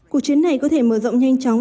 cuộc chiến này có thể mở rộng nhanh chóng